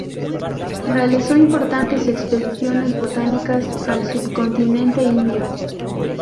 Realizó importantes expediciones botánicas al subcontinente indio.